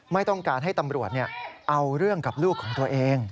ไม่ต้องการให้ตำรวจเอาเรื่องกับลูกของตัวเอง